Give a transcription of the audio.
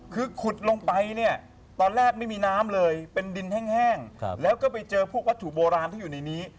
คือขุดลงไปเนี่ยตอนแรกไม่มีน้ำเลยเป็นดินแห้งแล้วก็ไปเจอพวกวัตถุโบราณที่อยู่ในนี้